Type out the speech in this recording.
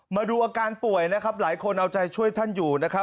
มาดูอาการป่วยหลายคนเอาใจช่วยท่านอยู่